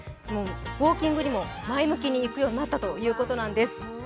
ウオーキングにも前向きに行くようになったということなんです。